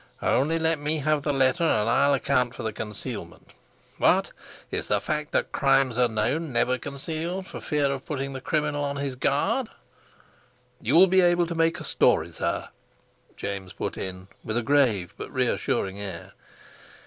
Only let me have the letter, and I'll account for the concealment. What? Is the fact that crimes are known never concealed, for fear of putting the criminal on his guard?" "You'll be able to make a story, sir," James put in, with a grave but reassuring air.